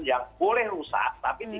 jangan sampai roboh begitu lah mbak